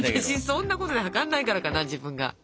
私そんなことで測んないからかな自分が。